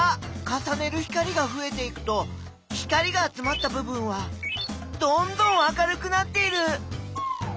かさねる光がふえていくと光が集まったぶ分はどんどん明るくなっている。